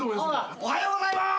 おはようございます。